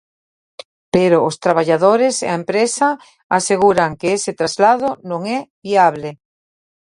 Pero os traballadores e a empresa aseguran que ese traslado non é viable.